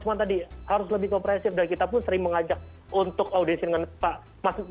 cuma tadi harus lebih kompresif dan kita pun sering mengajak untuk audisi dengan pak mahfud